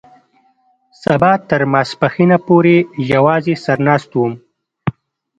سبا تر ماسپښينه پورې يوازې سر ناست وم.